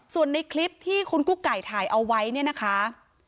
ส่วนในคลิปที่คุณกุ๊กไก่ถ่ายเอาไว้เนี่ยนะคะ